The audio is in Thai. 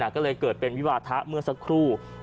ก็เลยเกิดเป็นวิวาทะเมื่อสักครู่